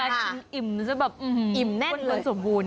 อ๋อนะคะอิ่มแน่นเลย